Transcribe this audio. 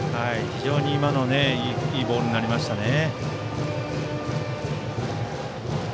非常に今のいいボールになりましたね。